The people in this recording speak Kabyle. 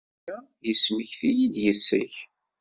Aya yesmekti-iyi-d yes-k.